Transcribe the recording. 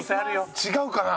違うかな？